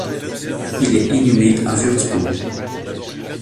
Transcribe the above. Il est inhumé à Wurtzbourg.